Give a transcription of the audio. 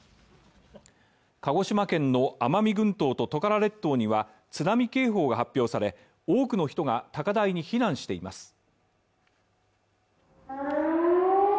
鹿児島県の奄美群島とトカラ列島には、津波警報が発表され、多くの人が高台に避難しています